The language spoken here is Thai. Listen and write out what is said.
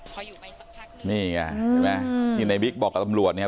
พออยู่ไปสักพักหนึ่งนี่ไงเห็นไหมที่ในบิ๊กบอกกับตำรวจเนี่ย